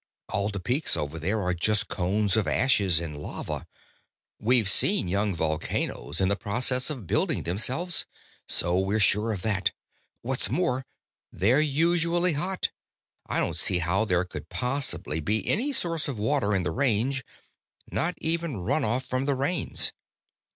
All the peaks over there are just cones of ashes and lava. We've seen young volcanoes in the process of building themselves, so we're sure of that. What's more, they're usually hot. I don't see how there could possibly be any source of water in the Range not even run off from the rains."